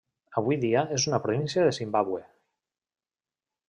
Avui dia és una província de Zimbàbue.